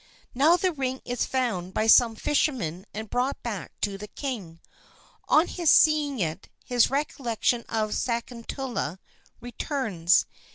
"Now the ring is found by some fishermen and brought back to the king. On his seeing it, his recollection of Sakuntala returns.